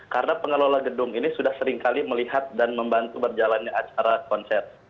karena pengelola gedung ini sudah seringkali melihat dan membantu berjalannya acara konser